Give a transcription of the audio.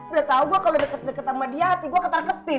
udah tau gue kalau deket deket sama dia hati gue ketar ketir